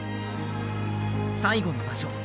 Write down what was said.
最後の場所。